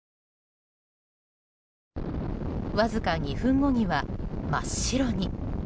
わずか２分後には、真っ白に。